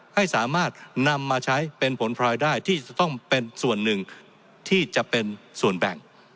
ให้สามารถนำมาใช้เป็นผลพลอยได้ที่จะต้องเป็นส่วนหนึ่งที่จะเป็นส่วนแบ่ง